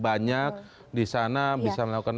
banyak disana bisa melakukan